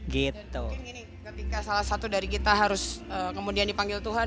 ketika salah satu dari kita harus kemudian dipanggil tuhan